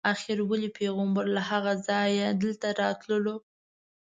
آخر ولې پیغمبر له هغه ځایه دلته راتللو.